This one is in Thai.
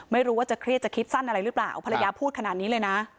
ไม่รู้ว่าจะเครียดจะคิดสั้นอะไรหรือเปล่าภรรยาพูดขนาดนี้เลยนะ